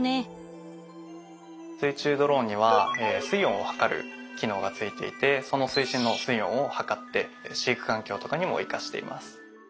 水中ドローンには水温を測る機能がついていてその水深の水温を測って飼育環境とかにも生かしています。